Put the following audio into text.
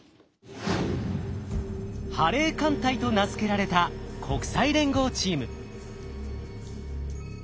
ハレー艦隊と名付けられた国際連合チーム。